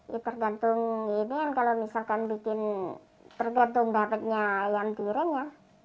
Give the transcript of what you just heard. ya tergantung ini kan kalau misalkan bikin tergantung dapatnya ayam tiren ya